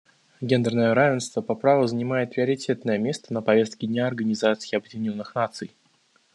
Гендерное равенство по праву занимает приоритетное место на повестке дня Организации Объединенных Наций.